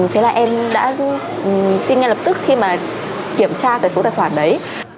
thế là em đã tin ngay lập tức khi mà kiểm tra cái số tài khoản đấy